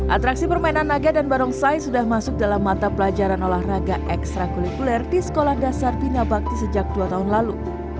atraksi permainan naga dan barongsai sudah masuk dalam mata pelajaran olahraga ekstra kulikuler di sekolah dasar bina bakti sejak dua tahun lalu